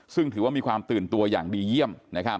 ซึ่งถือว่ามีความตื่นตัวอย่างดีเยี่ยม